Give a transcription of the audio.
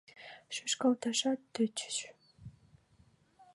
Шӱшкалташат тӧчыш.